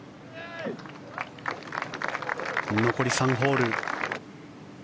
残り３ホール。